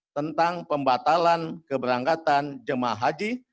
tentang pembatalan keberangkatan jemaah haji